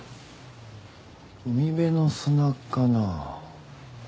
海辺の砂かな。